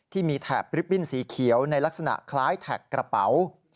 ที่มีแถบริบบิ้นสีเขียวในลักษณะคล้ายแท็กกระเป๋า